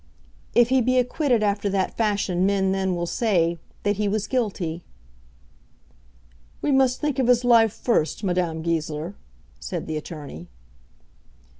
"If he be acquitted after that fashion men then will say that he was guilty." "We must think of his life first, Madame Goesler," said the attorney.